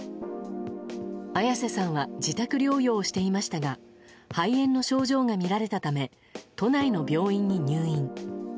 綾瀬さんは自宅療養をしていましたが肺炎の症状がみられたため都内の病院に入院。